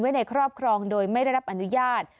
ในครอบครองโดยไม่ได้รับอนุญาต